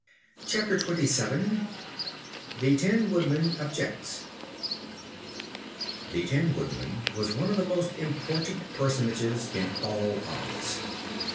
Chapter Twenty Seven The Tin Woodman Objects The Tin Woodman was one of the most important personages in all Oz.